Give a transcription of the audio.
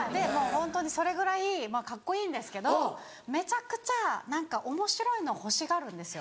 ホントにそれぐらいカッコいいんですけどめちゃくちゃおもしろいのを欲しがるんですよ。